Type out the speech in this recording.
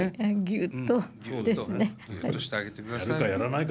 ギュッとしてあげてください。